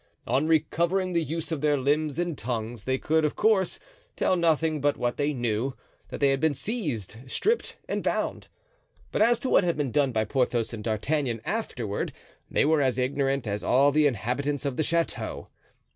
On recovering the use of their limbs and tongues they could, of course, tell nothing but what they knew—that they had been seized, stripped and bound. But as to what had been done by Porthos and D'Artagnan afterward they were as ignorant as all the inhabitants of the chateau.